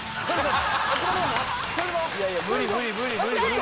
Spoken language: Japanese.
「いやいや無理無理無理無理無理！」